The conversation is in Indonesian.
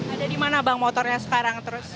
ada dimana bang motornya sekarang terus